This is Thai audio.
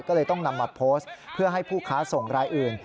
ก็เลยต้องนำมาโพสต์เพื่อให้ผู้ค้าส่งรายอื่น